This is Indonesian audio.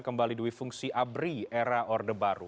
kembali duifungsi abri era orde baru